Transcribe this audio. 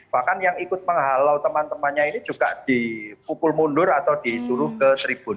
bahkan yang ikut menghalau teman temannya ini juga dipukul mundur atau disuruh ke tribun